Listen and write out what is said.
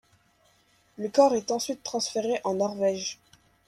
Le corps est ensuite transféré en Norvège.